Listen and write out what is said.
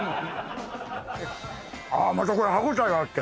またこれ歯応えがあって。